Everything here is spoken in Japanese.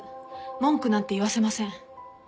文句なんて言わせません。